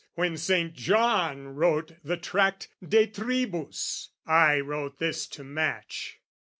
When Saint John wrote "The tract 'De Tribus,' I wrote this to match."